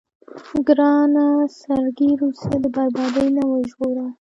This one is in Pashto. ګرانه سرګي روسيه د بربادۍ نه وژغوره.